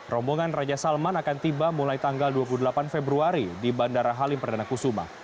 rombongan raja salman akan tiba mulai tanggal dua puluh delapan februari di bandara halim perdana kusuma